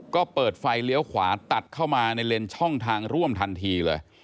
ก็เปิดไฟเลี้ยวขวาตัดเข้ามาในเลนส์ช่องทางร่วมทันทีเลย